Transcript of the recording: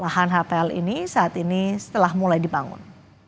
lahan hotel ini saat ini setelah mulai dibangun